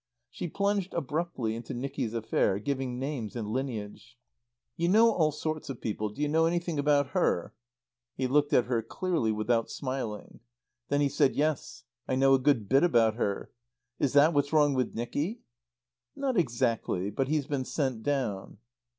She plunged abruptly into Nicky's affair, giving names and lineage. "You know all sorts of people, do you know anything about her?" He looked at her clearly, without smiling. Then he said "Yes. I know a good bit about her. Is that what's wrong with Nicky?" "Not exactly. But he's been sent down."